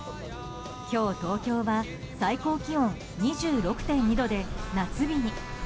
今日、東京は最高気温２６．２度で夏日に。